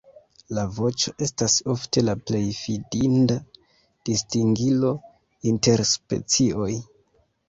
La voĉo estas ofte la plej fidinda distingilo inter specioj.